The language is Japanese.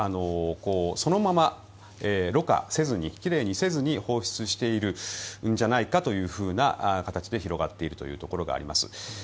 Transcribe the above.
そのままろ過せずに奇麗にせずに放出しているんじゃないかというふうな形で広がっているというところがあります。